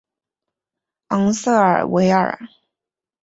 昂塞尔维尔。